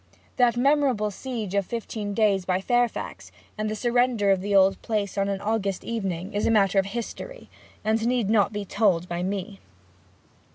That memorable siege of fifteen days by Fairfax, and the surrender of the old place on an August evening, is matter of history, and need not be told by me.